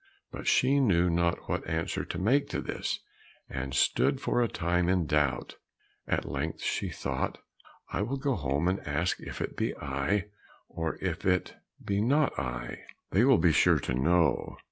But she knew not what answer to make to this, and stood for a time in doubt; at length she thought, "I will go home and ask if it be I, or if it be not I, they will be sure to know."